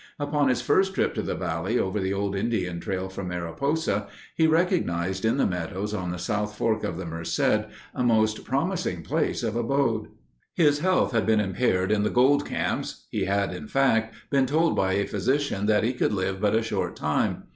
Upon his first trip to the valley over the old Indian trail from Mariposa, he recognized in the meadows on the South Fork of the Merced a most promising place of abode. His health had been impaired in the gold camps; he had, in fact, been told by a physician that he could live but a short time.